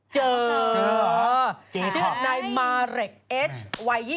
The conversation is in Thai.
เจอหรอชื่อนายมาเร็กเอชวัย๒๑ปี